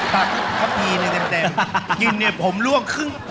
ตัดทะเพีเลยแดบคือผมล่วงครึ่ง